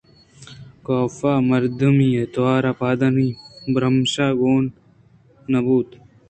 کاف ءَ مردمی توار ءُپادانی برٛمشءِگُمان نہ بوت